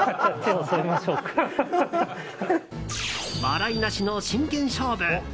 笑いなしの真剣勝負。